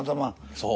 そう。